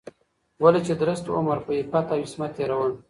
ولې چې درست عمر په عفت او عصمت تېرول